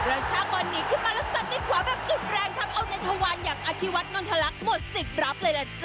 รัชก์มอนหนีขึ้นมาแล้วสัดให้ขวาแบบสุดแรง